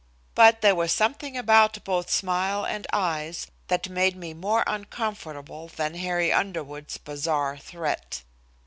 But there was something about both smile and eyes that made me more uncomfortable than Harry Underwood's bizarre threat.